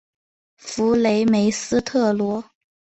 弗雷梅斯特罗。